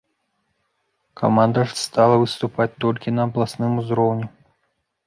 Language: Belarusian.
Каманда ж стала выступаць толькі на абласным узроўні.